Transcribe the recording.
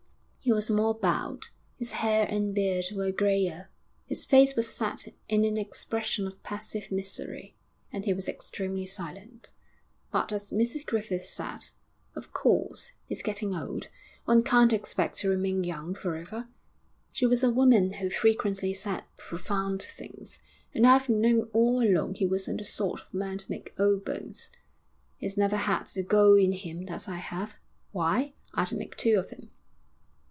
He was more bowed, his hair and beard were greyer. His face was set in an expression of passive misery, and he was extremely silent. But as Mrs Griffith said, 'Of course, he's getting old. One can't expect to remain young for ever' she was a woman who frequently said profound things 'and I've known all along he wasn't the sort of man to make old bones. He's never had the go in him that I have. Why, I'd make two of him.'